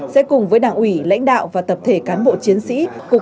sẽ cùng với đảng ủy lãnh đạo và tập thể cán bộ chiến sĩ